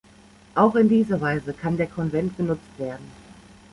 Auch in dieser Weise kann der Konvent genutzt werden.